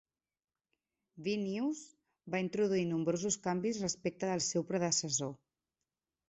B News va introduir nombrosos canvis respecte del seu predecessor.